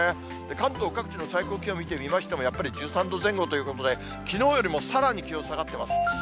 関東各地の最高気温を見てみましても、やっぱり１３度前後ということで、きのうよりもさらに気温下がってます。